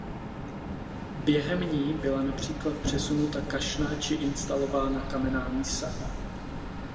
Během ní byla například přesunuta kašna či instalována kamenná mísa.